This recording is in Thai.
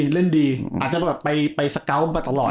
เล่นดีอาจจะไปสกัลป์ไปตลอด